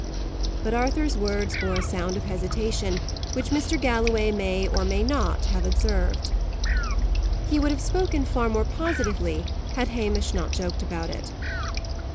But Arthur's words bore a sound of hesitation, which Mr. Galloway may or may not have observed. He would have spoken far more positively had Hamish not joked about it.